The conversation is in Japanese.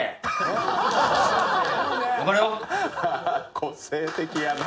個性的やな。